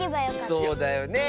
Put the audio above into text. そうだよねえ。